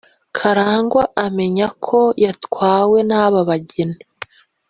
Karangwa amenya ko yatwawe n’abo bageni